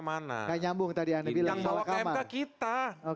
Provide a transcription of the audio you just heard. yang bawa ke mk kita